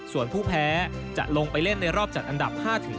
ส่วนผู้แพ้จะลงไปเล่นในรอบจัดอันดับ๕